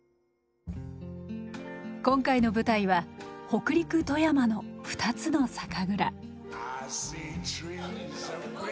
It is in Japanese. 今回の舞台は北陸・富山の２つの酒蔵。